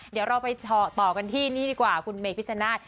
เดี๋ยวเราไปต่อกันที่นี่ดีกว่าคุณเมพิชนาธิ